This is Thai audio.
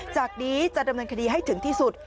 จากนี้จะดำเนินคดีให้ถึงที่สุด